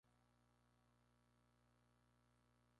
Recolectó especímenes en Molucas, sudoeste de Nueva Guinea y Timor.